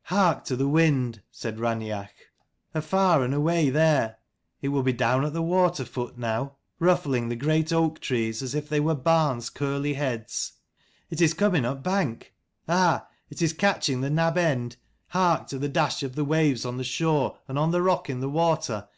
" Hark to the wind," said Raineach, " afar and away there : it will be down at the water foot now, ruffling the great oak trees as if they were barns' curly heads. It is coming upbank. Ah, it is catching the nab end : hark to the dash of the waves on the shore and on the rock in the water.